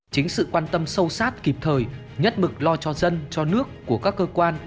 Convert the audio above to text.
chính sự quan tâm sâu sát kịp thời nhất mực lo cho dân cho nước của các cơ quan